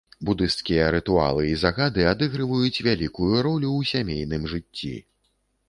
Будысцкія рытуалы і загады адыгрываюць вялікую ролю ў сямейным жыцці.